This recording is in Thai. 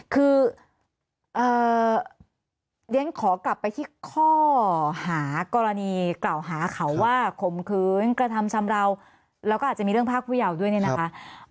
คือเรียนขอกลับไปที่ข้อหากรณีกล่าวหาเขาว่าข่มขืนกระทำชำราวแล้วก็อาจจะมีเรื่องภาคผู้ยาว์ด้วยเนี่ยนะคะ